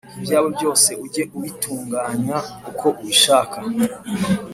Ibyawe byose ujye ubitunganya uko ubishaka,